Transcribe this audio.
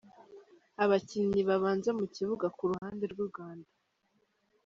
Abakinnyi babanza mu kibuga ku ruhande rw’u Rwanda: